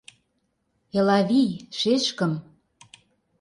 Элавий, шешкым!